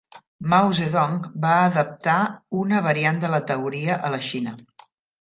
Mao Zedong va adaptar una variant de la teoria a la Xina.